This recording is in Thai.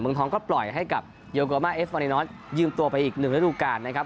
เมืองทองก็ปล่อยให้กับเยียวกว่ามาเอฟวันนินทรยืมตัวไปอีก๑ฤดูการนะครับ